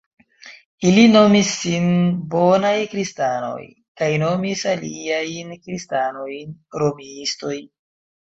Ili nomis sin "Bonaj Kristanoj" kaj nomis aliajn kristanojn "Romiistoj".